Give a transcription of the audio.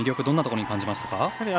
どんなところに感じましたか？